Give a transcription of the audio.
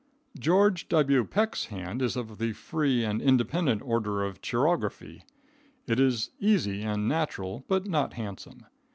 George W. Peck's hand is of the free and independent order of chirography. It is easy and natural, but not handsome.